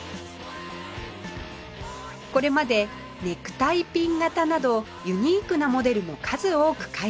これまでネクタイピン型などユニークなモデルも数多く開発